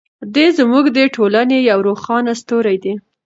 دی زموږ د ټولنې یو روښانه ستوری دی.